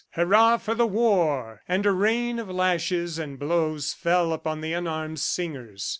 "Hurrah for War!" and a rain of lashes and blows fell upon the unarmed singers.